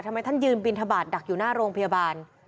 ทำไมท่านยืนบินทบาทดักอยู่หน้าโรงพยาบาล